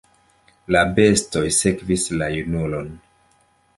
La bestoj sekvis la junulon.